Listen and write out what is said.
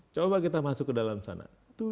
coba kita masuk ke dalam sana